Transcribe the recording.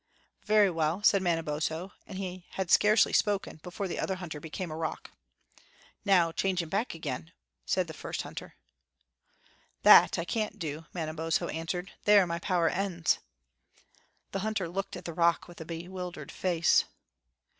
"Very well," said Manabozho; and he had scarcely spoken before the other hunter became a rock. "Now change him hack again," said the first hunter. "That I can't do," Manabozho answered; "there my power ends." The hunter looked at the rock with a bewildered face.